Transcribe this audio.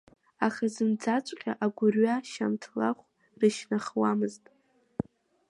Аха зынӡакҵәҟьа агәырҩа шьамҭлаҳә рышьнахуамызт.